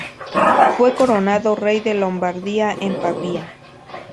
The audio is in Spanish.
Fue coronado rey de Lombardía en Pavía.